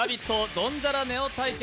ドンジャラＮＥＯ対決。